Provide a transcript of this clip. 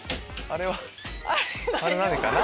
あれ何かな？